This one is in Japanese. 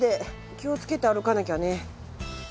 気をつけて歩かなきゃね。